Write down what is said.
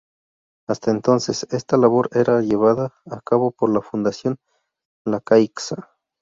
Hasta entonces, esta labor era llevada a cabo por la Fundación "la Caixa".